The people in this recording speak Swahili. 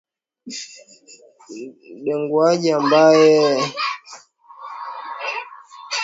Mdunguaji ambaye hakuwa na muda naye alimkosa Jacob kwa risasi mbili zikavunja kioo